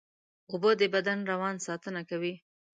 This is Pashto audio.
اوبه د بدن روان ساتنه کوي